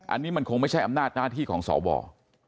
อันนี้มันคงไม่ใช่อำนาจหน้าที่ของสว